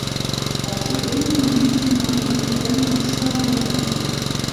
El cervell, en mig d'una orgia d'erudició enganyadora.